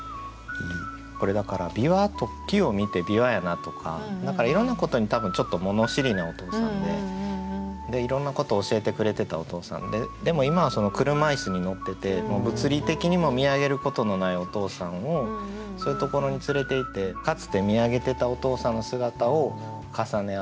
これだから木を見て「びわやな」とかいろんなことに多分ちょっと物知りなお父さんでいろんなことを教えてくれてたお父さんででも今は車椅子に乗ってて物理的にも見上げることのないお父さんをそういうところに連れていってかつて見上げてたお父さんの姿を重ね合わせたいんじゃないかなと。